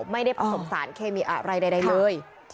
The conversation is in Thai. ไม่ได้ผสมสารเคมีอะไรใดเลย